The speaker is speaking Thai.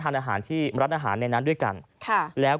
พร้อมกับหยิบมือถือขึ้นไปแอบถ่ายเลย